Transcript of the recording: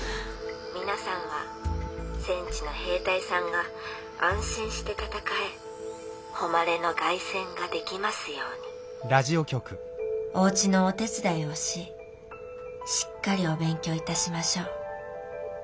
皆さんは戦地の兵隊さんが安心して戦え誉れの凱旋ができますようにおうちのお手伝いをししっかりお勉強致しましょう。